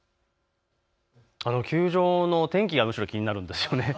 球場の天気がむしろ気になるんですよね。